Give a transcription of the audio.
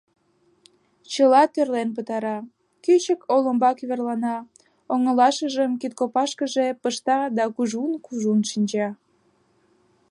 Чыла тӧрлен пытара, кӱчык олымбак верлана, оҥылашыжым кидкопашкыже пышта да кужун-кужун шинча.